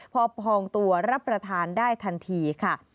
พองตัวรับประทานได้ทันทีค่ะ